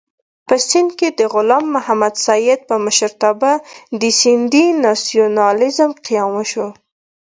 په سېند کې د غلام محمد سید په مشرتابه د سېندي ناسیونالېزم قیام وشو.